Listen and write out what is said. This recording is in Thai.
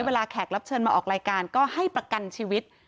แขกรับเชิญมาออกรายการก็ให้ประกันชีวิต